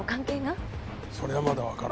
それはまだわからん。